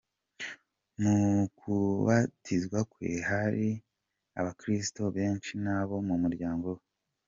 Mu kubatizwa kwe hari abakristo benshi n'abo mu muryango we .